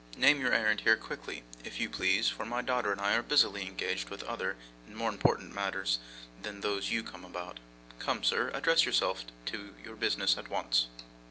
Name your errand here, quickly, if you please, for my daughter and I are busily engaged with other and more important matters than those you come about. Come, sir, address yourself to your business at once.